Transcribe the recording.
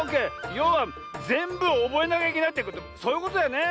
ようはぜんぶおぼえなきゃいけないってことそういうことだよね。